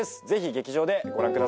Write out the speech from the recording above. ぜひ劇場でご覧